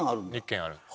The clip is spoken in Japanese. ２軒ある。